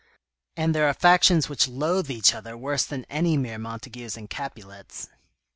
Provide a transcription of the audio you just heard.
And there are factions which loathe each other worse than any mere Montagus and Capulets.